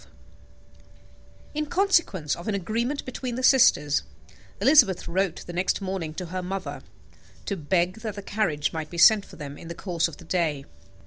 In consequence of an agreement between the sisters, Elizabeth wrote the next morning to her mother, to beg that the carriage might be sent for them in the course of the day.